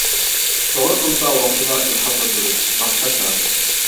توغرا قىلسا ۋاقتىدا ئىلھاملاندۇرۇش، ماختاش لازىم.